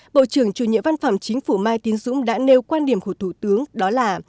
bộ trưởng chủ nhiệm văn phòng chính phủ mai tiến dũng đã nêu quan điểm của thủ tướng đó là